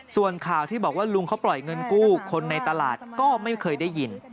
ส่วนข่าวที่บอกว่าลุงเขาปล่อยเงินกู้คนในตลาดก็ไม่เคยได้ยิน